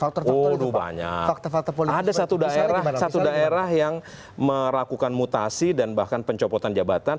satu daerah kabupaten itu cukup banyak itu banyak faktor faktor itu pak oh banyak faktor faktor itu pak ada satu daerah yang merakukan mutasi dan bahkan pencopotan jabatan